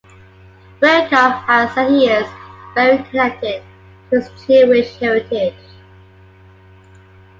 Bierko has said he is "very connected" to his Jewish heritage.